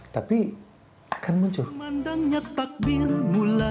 tapi akan muncul